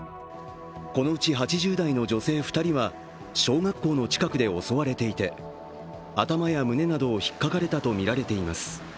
このうち８０代の女性２人は小学校の近くで襲われていて頭や胸などを引っ掛かれたとみられています。